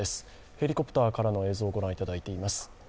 ヘリコプターからの映像をご覧いただいています。